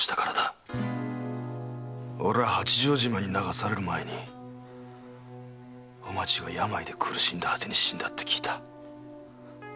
俺は八丈島に流される前に「おまちは病で苦しんだはてに死んだ」って聞いた。